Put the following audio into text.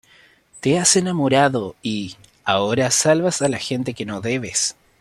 te has enamorado y, ahora, salvas a la gente que no debes.